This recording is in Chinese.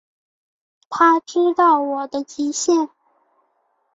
他知道我的极限